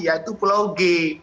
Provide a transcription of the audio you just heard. yaitu pulau g